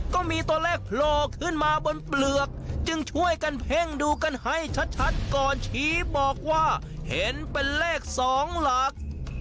ก็มีตัวเลขโผล่ขึ้นมาบนเปลือกจึงช่วยกันเพ่งดูกันให้ชัดก่อนชี้บอกว่าเห็นเป็นเลข๒หลัก